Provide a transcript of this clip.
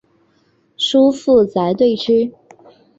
叔父瞿兑之。